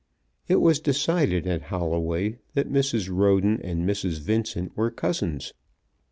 It was decided at Holloway that Mrs. Roden and Mrs. Vincent were cousins.